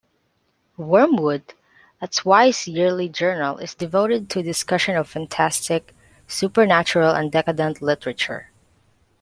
"Wormwood", a twice-yearly journal, is devoted to discussion of fantastic, supernatural and decadent literature.